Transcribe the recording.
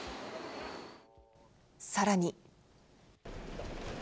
さらに。